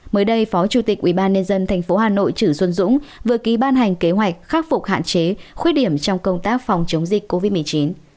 mới đây phó chủ tịch ubnd tp hà nội chử xuân dũng vừa ký ban hành kế hoạch khắc phục hạn chế khuyết điểm trong công tác phòng chống dịch covid một mươi chín